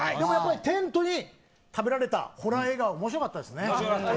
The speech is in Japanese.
テントに食べられたホラー映画は面白かったです。